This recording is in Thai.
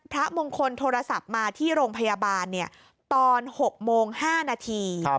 พระมงคลโทรศัพท์มาที่โรงพยาบาลตอน๖โมง๕นาที